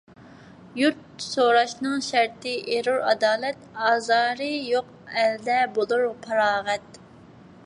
يۇرت سوراشنىڭ شەرتى ئېرۇر ئادالەت، ئازارى يوق ئەلدە بولۇر پاراغەت.